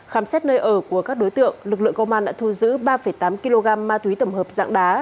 khám xét nơi ở của các đối tượng lực lượng công an đã thu giữ ba tám kg ma túy tổng hợp dạng đá